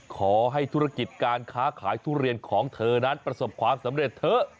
ขอให้ธุรกิจการค้าขายทุเรียนของเธอนั้นประสบความสำเร็จเถอะ